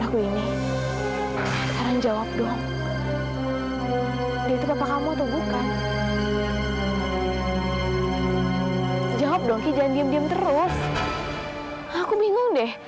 aku ini sekarang jawab dong dia itu papa kamu atau bukan jawab dong ki jangan diam diam terus aku bingung deh